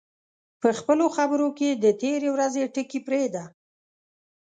په خپلو خبرو کې د تېرې ورځې ټکي پرېږده